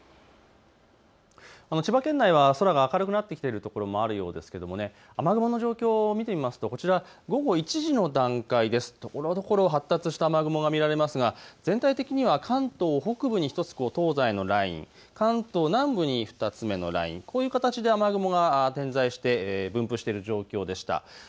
千葉県内は空が明るくなってきているところもあるようですけれども状況を見てみますと午後１時の段階、ところどころ発達した雨雲が見られますが全体的には関東北部に東西のライン、関東南部に２つ目のライン、こういった形で雨雲が分布している状況でした。